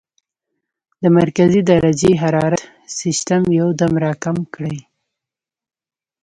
د مرکزي درجه حرارت سسټم يو دم را کم کړي -